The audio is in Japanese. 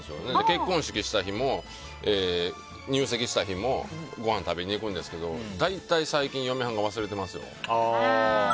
結婚式した日も入籍した日もごはん食べに行くんですけど大体、最近嫁はんが忘れてますよ。